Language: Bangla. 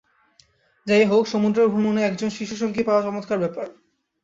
যাই হউক, সমুদ্র ভ্রমণে একজন শিশুসঙ্গী পাওয়া চমৎকার ব্যাপার।